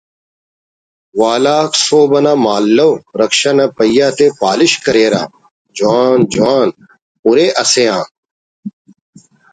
والاک سہب انا مہالو رکشہ نا پہیہ تے پالش کریرہ جوان جوان ہُرے اسے آ